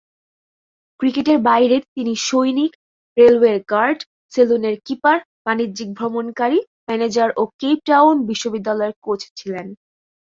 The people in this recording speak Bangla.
ক্রিকেটের বাইরে তিনি সৈনিক, রেলওয়ের গার্ড, সেলুন কিপার, বাণিজ্যিক ভ্রমণকারী, ম্যানেজার ও কেপ টাউন বিশ্ববিদ্যালয়ের কোচ ছিলেন।